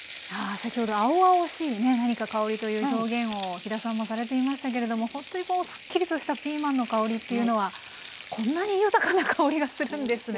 先ほど青々しい香りという表現を飛田さんもされていましたけれどもほんとにすっきりとしたピーマンの香りっていうのはこんなに豊かな香りがするんですね。